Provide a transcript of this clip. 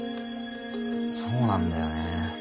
そうなんだよね。